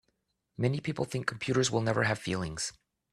Many people think computers will never have feelings.